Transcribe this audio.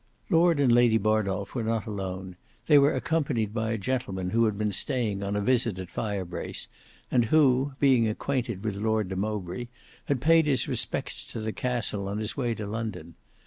Lord and Lady Bardolf were not alone; they were accompanied by a gentleman who had been staying on a visit at Firebrace, and who, being acquainted with Lord de Mowbray, had paid his respects to the castle in his way to London.